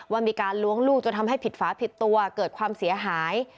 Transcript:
ว่ามีการล้วงลูกจนทำให้ผิดฝาผิดตัวเกิดความเสียหาย